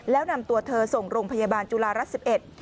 แล้วนำตัวเธอส่งโรงพยาบาลจุฬารัฐ๑๑